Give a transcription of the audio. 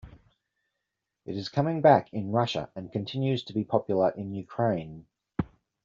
It is coming back in Russia and continues to be popular in Ukraine.